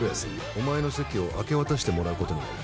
お前の席を明け渡してもらうことになる。